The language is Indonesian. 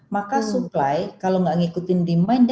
maka supply kalau nggak ngikutin demand